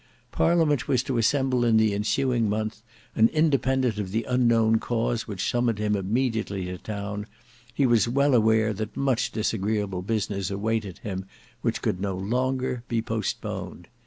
Parliament was to assemble in the ensuing month, and independent of the unknown cause which summoned him immediately to town, he was well aware that much disagreeable business awaited him which could no longer be postponed.